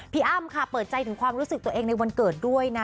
อ้ำค่ะเปิดใจถึงความรู้สึกตัวเองในวันเกิดด้วยนะ